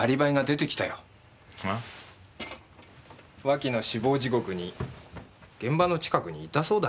脇の死亡時刻に現場の近くにいたそうだね。